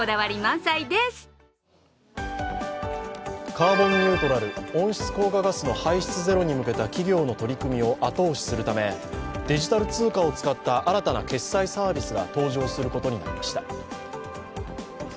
カーボンニュートラル＝温室効果ガスの排出ゼロに向けた企業の取り組みを後押しするため、デジタル通貨を使った新たな決済サービスが登場することになりました。